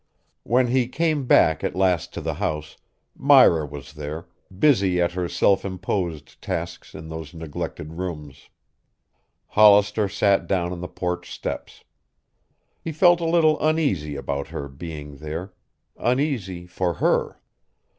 When he came back at last to the house, Myra was there, busy at her self imposed tasks in those neglected rooms. Hollister sat down on the porch steps. He felt a little uneasy about her being there, uneasy for her.